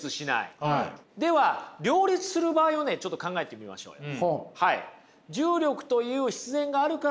では両立する場合をねちょっと考えてみましょうよ。